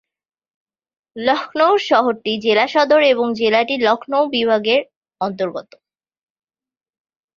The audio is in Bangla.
লখনউ শহরটি জেলা সদর এবং জেলাটি লখনউ বিভাগের অন্তর্গত।